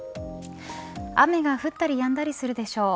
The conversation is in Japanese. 雨が降ったりやんだりするでしょう。